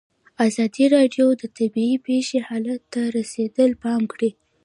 ازادي راډیو د طبیعي پېښې حالت ته رسېدلي پام کړی.